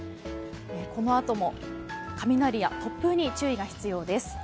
このあとも雷や突風に注意が必要です。